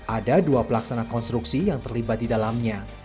ada dua pelaksana konstruksi yang terlibat di dalamnya